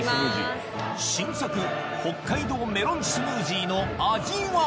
新作北海道メロンスムージーの味は？